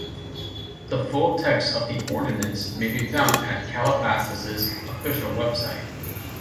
The full text of the ordinance may be found at Calabasas' official website.